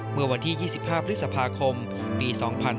เมื่อวันที่๒๕พฤษภาคมปี๒๕๕๙